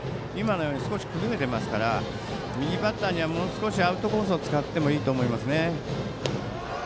少し崩れていますから右バッターにはもう少しアウトコースを使ってもいいと思います。